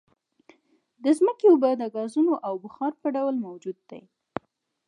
د ځمکې اوبه د ګازونو او بخار په ډول موجود دي